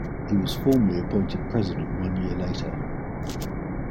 He was formally appointed president one year later.